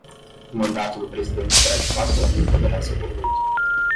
O mandato do presidente será de quatro anos e poderá ser reeleito.